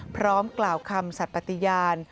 พร้อมกล่าวคำสัตว์ปฏิญาณ